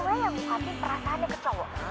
cewek yang ngopi perasaannya ke cowok